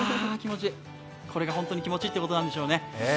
これが本当に気持ちいいということなんでしょうね。